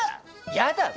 嫌だわ！